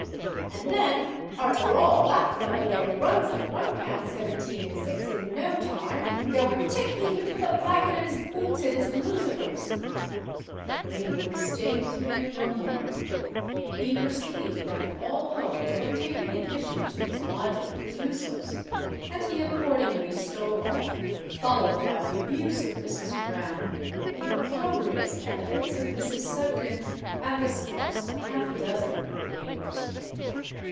"And then arter all, that feller there runs up one pound seventeen and six in no time—going tick even for the blacking of his boots and his lucifers——" Greenwood stayed to hear no more: he perceived that all hope of obtaining admission to his lodging was useless; and he accordingly stole off, followed by the abuse of Mrs. Brown, the opprobrious epithets of Mrs. Sugden, and the scoffs of half a dozen of the neighbours.